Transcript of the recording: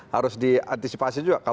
harus diantisipasi juga ya pak agus